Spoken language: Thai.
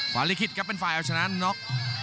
ฟ้าลิกิตครับเป็นฝ่ายเอาชนะนก